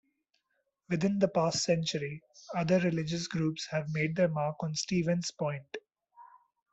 Within the past century, other religious groups have made their mark on Stevens Point.